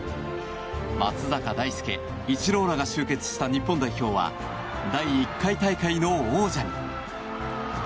松坂大輔、イチローらが集結した日本代表は第１回大会の王者に。